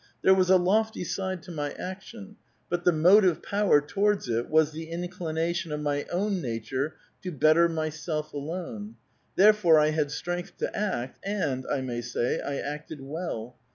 There was a lofty side to my action ; but the motive power towards it was the inclination of my own nature to better myself alone. Therefore I had strength to act, and, I may say, I acted well.